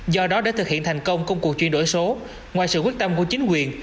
do đó để thực hiện thành công công cuộc chuyển đổi số ngoài sự quyết tâm của chính quyền